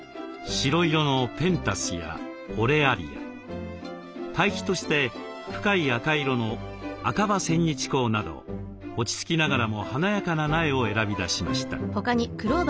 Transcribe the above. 白色のペンタスやオレアリア対比として深い赤色の赤葉センニチコウなど落ち着きながらも華やかな苗を選び出しました。